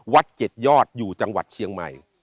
วัดเจ็ดยอดอยู่จังหวัดเชียงใหม่